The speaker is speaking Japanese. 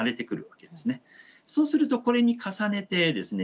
そうするとこれに重ねてですね